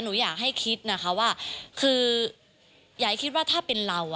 หนูอยากให้คิดนะคะว่าคืออย่าคิดว่าถ้าเป็นเรา